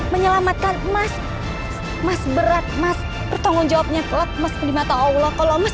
menyelamatkan mas mas berat mas bertanggung jawabnya telat mas di mata allah kalau mas